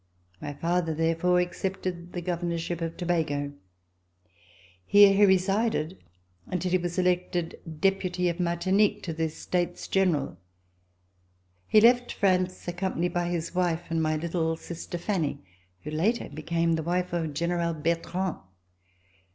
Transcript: My father, therefore, accepted the governorship of Tabago, where he resided until he was elected Deputy of Martinique to the States General. He left France accompanied VISITS TO LANGUEDOC by his wife and my little sister Fanny, who later became the wife of General Bertrand.